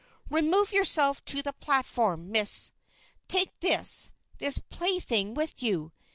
Remove yourself to the platform, Miss. Take this this plaything with you.